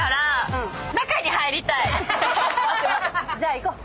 じゃあ行こう。